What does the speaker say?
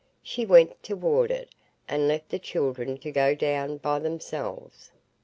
She went toward it, and left the children to go down by themselves.